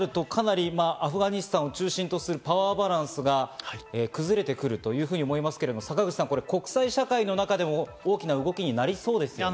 アフガニスタンを中心とするパワーバランスが崩れてくると思いますけど坂口さん、国際社会の中でも大きな動きになりそうですね。